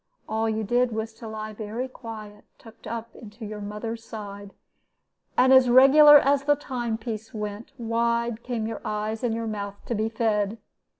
All you did was to lie very quiet, tucked up into your mother's side; and as regular as the time piece went, wide came your eyes and your mouth to be fed.